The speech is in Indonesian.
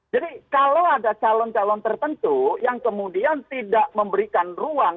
jadi kalau ada calon calon tertentu yang kemudian tidak memberikan ruang